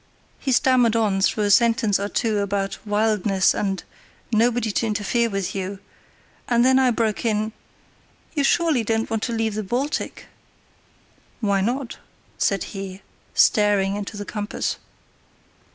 He stammered on through a sentence or two about "wildness" and "nobody to interfere with you," and then I broke in: "You surely don't want to leave the Baltic?" "Why not?" said he, staring into the compass.